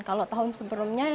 kalau tahun sebelumnya